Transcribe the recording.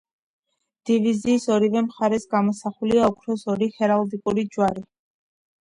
დევიზის ორივე მხარეს გამოსახულია ოქროს ორი ჰერალდიკური ჯვარი.